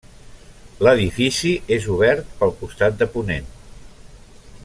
L'edifici és obert pel costat de ponent.